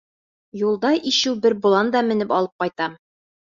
Юлда ишеү бер болан да менеп алып ҡайтам.